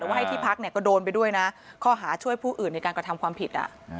ว่าให้ที่พักเนี่ยก็โดนไปด้วยนะข้อหาช่วยผู้อื่นในการกระทำความผิด